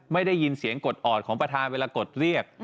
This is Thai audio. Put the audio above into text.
ไม่ได้ยินเสียงกดออดของประธานเวลากดเรียก